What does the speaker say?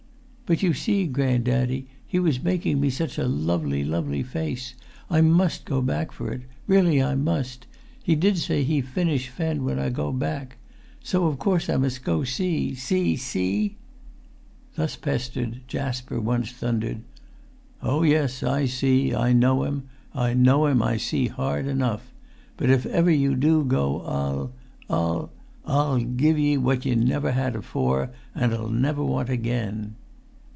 "But, you see, grand daddy, he was making me such a lovely, lovely face. I must go back for it. Really I must. He did say he finish fen I go back. So of course I must go. See? See? See?" [Pg 277]Thus pestered, Jasper once thundered: "Oh, yes, I see! I know him—I know him. I see hard enough! But if ever you do go I'll—I'll—I'll give ye what ye never had afore and'll never want again!"